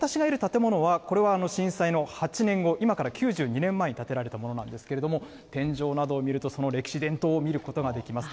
私がいる建物は、これは震災の８年後、今から９２年前に建てられたものなんですけれども、天井などを見ると、その歴史、伝統を見ることができます。